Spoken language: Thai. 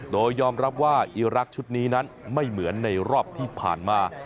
โดยยอมรับว่าอีรักษ์ชุดนี้นั้นไม่เหมือนในรอบที่ผ่านมา